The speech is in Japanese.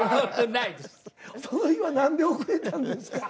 その日は何で遅れたんですか？